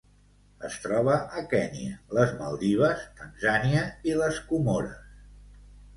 Es troba a Kenya, les Maldives, Tanzània i les Comores.